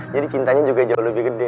jadi cintanya juga jauh lebih gede